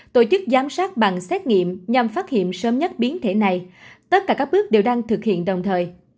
tổ chức giám sát bằng xét nghiệm nhằm phát hiện sớm nhất biến thể này tất cả các bước đều đang thực hiện đồng thời